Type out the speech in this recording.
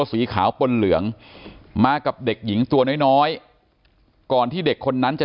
สีขาวปนเหลืองมากับเด็กหญิงตัวน้อยน้อยก่อนที่เด็กคนนั้นจะ